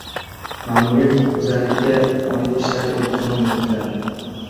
Ma’muriy huquqbuzarlikka oid ishlar elektron yuritiladi